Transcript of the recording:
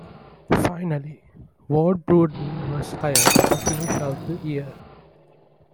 Finally, Ward Burton was hired to finish out the year.